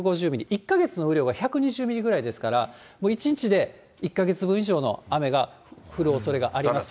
１か月の雨量が１２０ミリぐらいですから、１日で１か月分以上の雨が降るおそれがありますが。